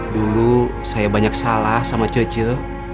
dulu saya banyak salah sama cuci